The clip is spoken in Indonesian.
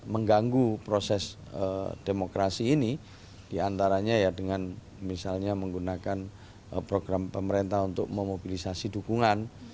mengganggu proses demokrasi ini diantaranya ya dengan misalnya menggunakan program pemerintah untuk memobilisasi dukungan